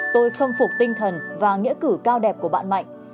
tôi khâm phục tinh thần và nghĩa cử cao đẹp của bạn mạnh